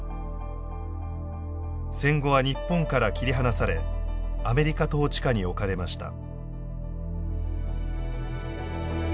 戦後は日本から切り離されアメリカ統治下に置かれました。